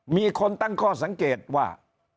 มีคนตั้งข้อสังเกตว่า